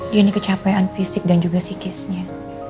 dia ini kecapean fisik dan juga psikisnya